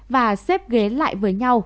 và xếp ghế lại với nhau